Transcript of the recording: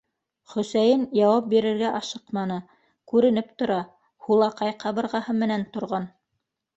Хөсәйен яуап бирергә ашыҡманы: күренеп тора - һулаҡай ҡабырғаһы менән торған.